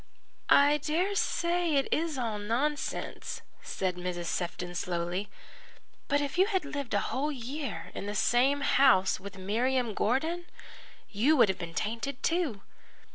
"I dare say it is all nonsense," said Mrs. Sefton slowly, "but if you had lived a whole year in the same house with Miriam Gordon, you would have been tainted too.